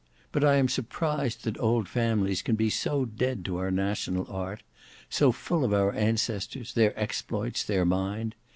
But I am surprised that old families can be so dead to our national art; so full of our ancestors, their exploits, their mind.